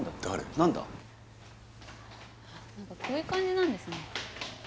何かこういう感じなんですね